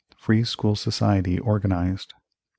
Free School Society organized 1807.